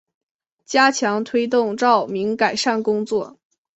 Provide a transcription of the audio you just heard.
加强推动照明改善工作